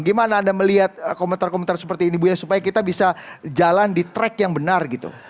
gimana anda melihat komentar komentar seperti ini bu ya supaya kita bisa jalan di track yang benar gitu